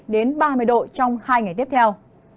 đến ba mươi độ trong hai ngày tiếp theo